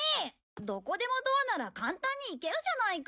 どこでもドアなら簡単に行けるじゃないか。